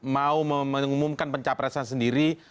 mau mengumumkan pencapresan sendiri